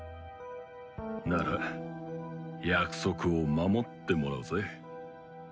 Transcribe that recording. なら約束を守ってもらうぜ。